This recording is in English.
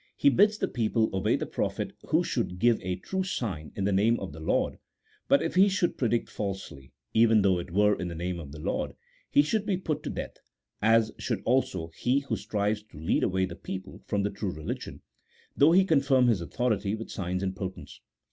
he bids the people obey the prophet who should give a true sign in the name of the Lord, but if he should predict falsely, even though it were in the name of the Lord, he should be put to death, as should also he who strives to lead away the people from the true religion, though he confirm his autho rity with signs and portents.